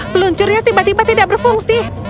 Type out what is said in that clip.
peluncurnya tiba tiba tidak berfungsi